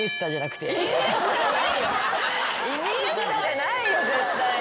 イニエスタじゃないよ絶対に。